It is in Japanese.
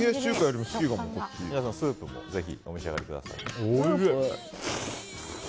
皆さんスープもぜひお召し上がりください。